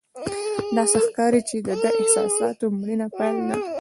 داسې ښکاري چې د ده د احساساتو مړینه پیل ده.